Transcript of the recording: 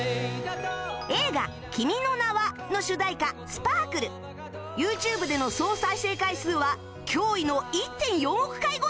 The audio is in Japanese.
映画『君の名は。』の主題歌『スパークル』ＹｏｕＴｕｂｅ での総再生回数は驚異の １．４ 億回超え！